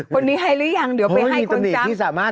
คนนี้ให้หรือยังเดี๋ยวไปให้คนเจ็บ